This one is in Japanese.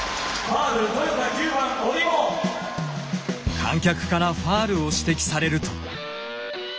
観客からファールを指摘されると。